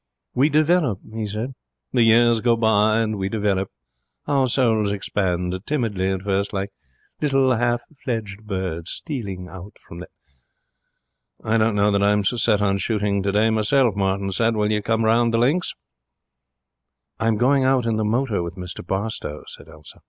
'We develop,' he said. 'The years go by, and we develop. Our souls expand timidly at first, like little, half fledged birds stealing out from the ' 'I don't know that I'm so set on shooting today, myself,' said Martin. 'Will you come round the links?' 'I am going out in the motor with Mr Barstowe,' said Elsa.